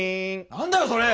何だよそれ！